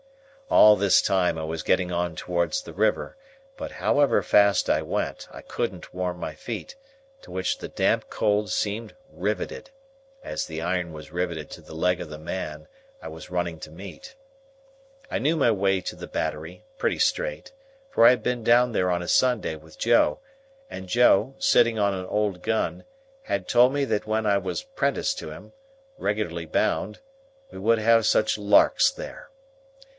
All this time, I was getting on towards the river; but however fast I went, I couldn't warm my feet, to which the damp cold seemed riveted, as the iron was riveted to the leg of the man I was running to meet. I knew my way to the Battery, pretty straight, for I had been down there on a Sunday with Joe, and Joe, sitting on an old gun, had told me that when I was 'prentice to him, regularly bound, we would have such Larks there!